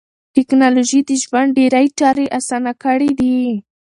ټکنالوژي د ژوند ډېری چارې اسانه کړې دي.